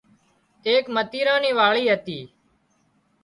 ايڪ متيران نِي واڙي هتي